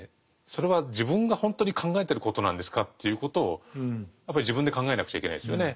それは自分がほんとに考えてることなんですか？ということをやっぱり自分で考えなくちゃいけないですよね。